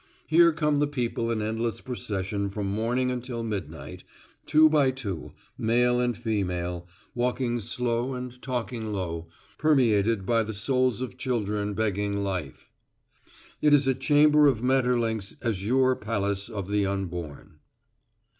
Here come the people in endless procession from morning until midnight, two by two, male and female, walking slow and talking low, permeated by the souls of children begging life. It is a chamber of Maeterlinck's azure palace of the unborn.